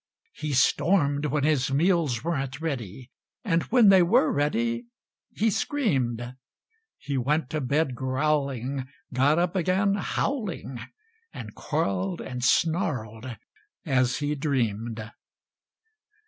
He stormed when his meals weren't ready, And when they were ready, he screamed. He went to bed growling, got up again howling And quarreled and snarled as he dreamed.